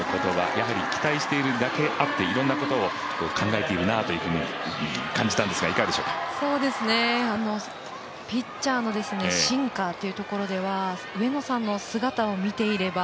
やはり、期待しているだけあっていろんなことを考えているなというふうに感じたんですがいかがでしょうかピッチャーの進化というところでは上野さんの姿を見ていれば、